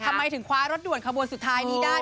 ทำไมถึงคว้ารถด่วนขบวนสุดท้ายนี้ได้